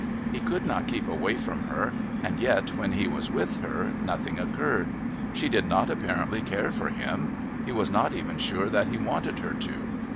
He could not keep away from her, and yet when he was with her nothing occurred. She did not apparently care for him; he was not even sure that he wanted her to.